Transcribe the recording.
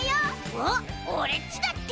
おっオレっちだって！